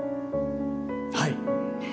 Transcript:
はい！